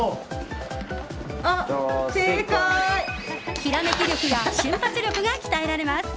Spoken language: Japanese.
ひらめき力や瞬発力が鍛えられます。